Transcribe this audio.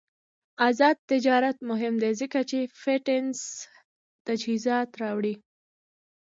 آزاد تجارت مهم دی ځکه چې فټنس تجهیزات راوړي.